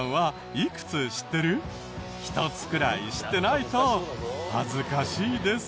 １つくらい知ってないと恥ずかしいですよ。